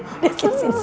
udah sini sini